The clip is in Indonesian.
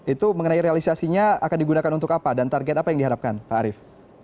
itu mengenai realisasinya akan digunakan untuk apa dan target apa yang diharapkan pak arief